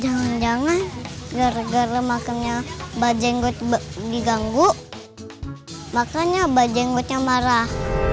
jangan jangan gara gara makanya mbak jenggot diganggu makanya mbak jenggotnya marah